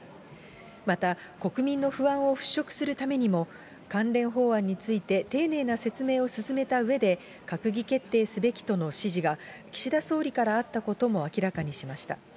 また国民の不安を払拭するためにも、関連法案について、丁寧な説明を進めたうえで閣議決定すべきとの指示が、岸田総理からあったことも明らかにしました。